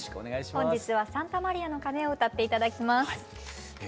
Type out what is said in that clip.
本日は「サンタマリアの鐘」を歌って頂きます。